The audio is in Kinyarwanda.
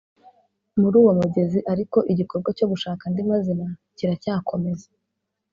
muri uwo mugezi ariko igikorwa cyo gushaka andi mazina kiracyakomeza